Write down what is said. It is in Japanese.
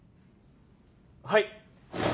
はい。